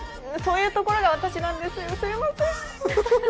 そういうところが私なんです、すみません